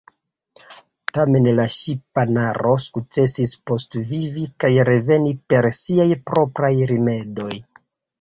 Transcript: Tamen la ŝipanaro sukcesis postvivi kaj reveni per siaj propraj rimedoj.